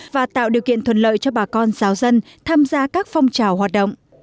và tạo điều kiện thuận lợi cho bà con giáo dân tham gia các phong trào hoạt động